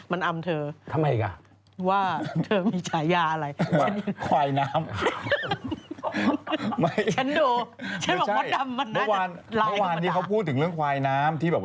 เราต้องพูดทุกวันครับสิ่งที่ถูกต้องแล้ว